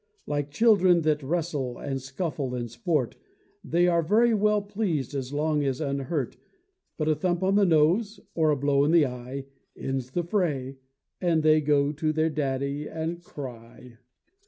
Like children that wrestle and scuffle in sport, They are very well pleased as long as unhurt; But a thump on the nose, or a blow in the eye, Ends the fray; and they go to their daddy and cry.